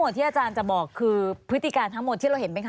ดิฉันก็ไม่ต้อง